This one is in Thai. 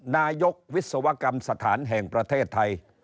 นายกวิศวกรรมสถานแห่งประเทศไทย